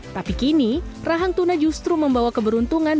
tapi kini rahang tuna justru membawa keberuntungan